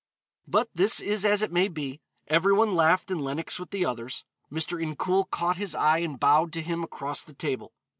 But this is as it may be. Every one laughed and Lenox with the others. Mr. Incoul caught his eye and bowed to him across the table.